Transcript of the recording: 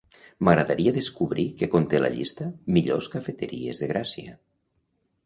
M'agradaria descobrir què conté la llista "millors cafeteries de Gràcia".